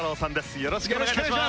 よろしくお願いします。